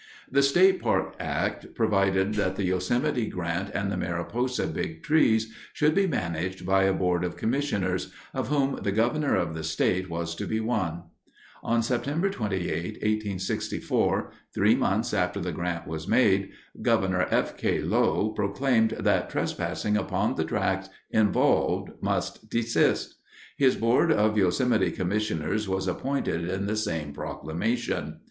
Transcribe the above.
The State Park Act provided that the Yosemite Grant and the Mariposa Big Trees should be managed by a board of commissioners, of whom the governor of the state was to be one. On September 28, 1864, three months after the grant was made, Governor F. K. Low proclaimed that trespassing upon the tracts involved must desist. His board of Yosemite commissioners was appointed in the same proclamation.